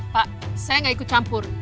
pak saya gak ikut campur